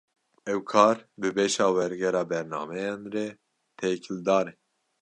Ew kar, bi beşa wergera bernameyan re têkildar e